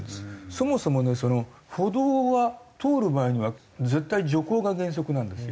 そもそもね歩道は通る場合には絶対徐行が原則なんですよ。